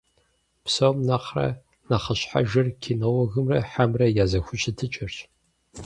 Псом нэхърэ нэхъыщхьэжыр кинологымрэ хьэмрэ я зэхущытыкӀэрщ.